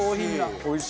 おいしい！